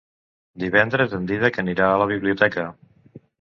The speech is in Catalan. Divendres en Dídac anirà a la biblioteca.